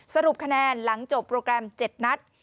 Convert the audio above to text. สรุปคะแนนหลังจบโปรแกรม๗นัด